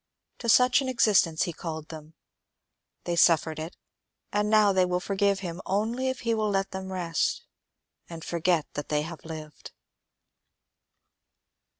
To such an exist ence he called them — they suffered it ; and now they will forgive him only if he will let them rest and forget that they have lived.